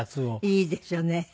いいですよね。